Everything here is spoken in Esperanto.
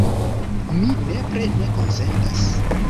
Mi nepre ne konsentas.